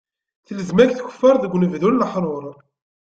Telzem-ak tkeffaṛt deg unebdu n leḥṛuṛ.